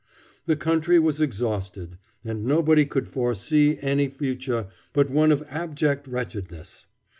The country was exhausted, and nobody could foresee any future but one of abject wretchedness.